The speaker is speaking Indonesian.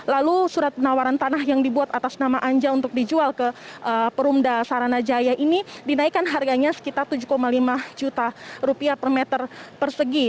lalu surat penawaran tanah yang dibuat atas nama anja untuk dijual ke perumda saranajaya ini dinaikkan harganya sekitar tujuh lima juta rupiah per meter persegi